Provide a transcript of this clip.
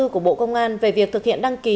của bộ công an về việc thực hiện đăng ký